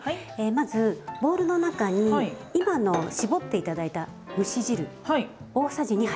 まずボウルの中に今の絞って頂いた蒸し汁大さじ２杯。